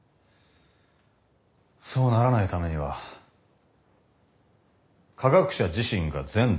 そうならないためには科学者自身が善であること。